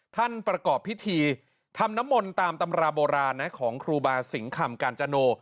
ประกอบพิธีทำน้ำมนต์ตามตำราโบราณนะของครูบาสิงคำกาญจโน